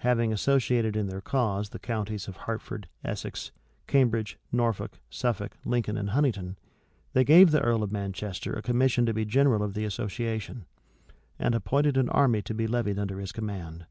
Having associated in their cause the counties of Hertford, Essex, Cambridge, Norfolk, Suffolk, Lincoln, and Huntingdon, they gave the earl of Manchester a commission to be general of the association, and appointed an army to be levied under his command.